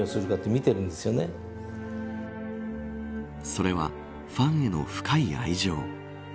それはファンへの深い愛情。